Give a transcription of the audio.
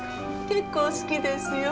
結構好きですよ。